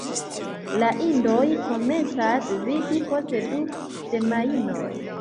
La idoj komencas vidi post du semajnoj.